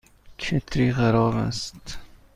کتری خراب است.